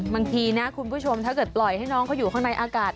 บางทีนะคุณผู้ชมถ้าเกิดปล่อยให้น้องเขาอยู่ข้างในอากาศ